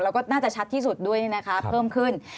แล้วก็น่าจะชัดที่สุดด้วยเพิ่มขึ้น